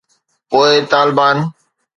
پوءِ طالبان